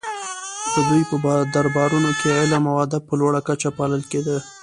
د دوی په دربارونو کې علم او ادب په لوړه کچه پالل کیده